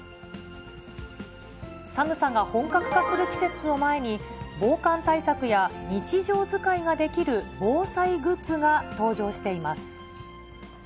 寒さが本格化する季節を前に、防寒対策や日常使いができる防災グッズが登場しています。